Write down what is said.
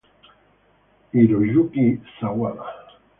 Hiroyuki Sawada